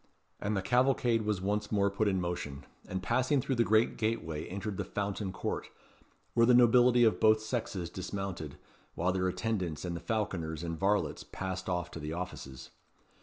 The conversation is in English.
And the cavalcade was once more put in motion, and passing through the great gateway entered the Fountain Court, where the nobility of both sexes dismounted, while their attendants and the falconers and varlets passed off to the offices.